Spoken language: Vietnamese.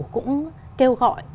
cũng kêu gọi